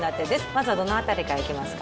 まずはどの辺りからいきますか？